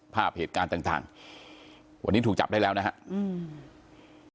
ภาพเหตุการณ์ต่างต่างวันนี้ถูกจับได้แล้วนะครับอืม